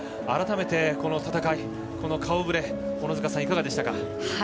改めて、この戦い、この顔ぶれ小野塚さんいかがでしたか？